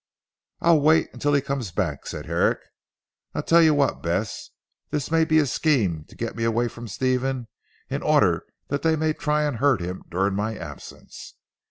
"I'll wait until he comes back," said Herrick. "I tell you what Bess; this may be a scheme to get me away from Stephen, in order that they may try and hurt him during my absence.